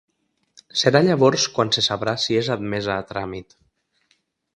Serà llavors quan se sabrà si és admesa a tràmit.